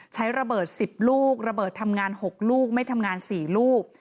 ใช้ระเบิด๑๐ลูกระเบิดทำงาน๖ลูกไม่ทำงาน๔ลูก